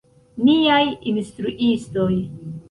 Niaj instruistoj.